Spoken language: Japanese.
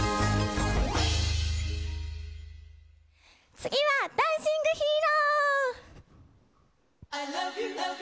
次はダンシング・ヒーロー。